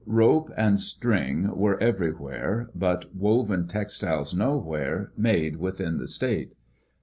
Rope and string were everywhere but woven textiles nowhere made within the state.